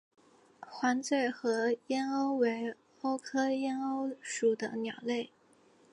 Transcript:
黄嘴河燕鸥为鸥科燕鸥属的鸟类。